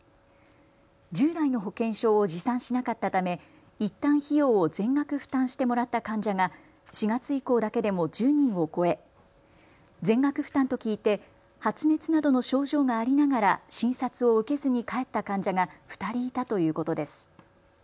従来の保険証を持参しなかったため、いったん費用を全額負担してもらった患者が４月以降だけでも１０人を超え全額負担と聞いて発熱などの症状がありながら診察を受けずに帰った患者が２人いたということです。